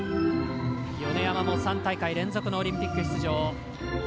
米山も３大会連続のオリンピック出場。